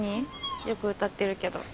よく歌ってるけど。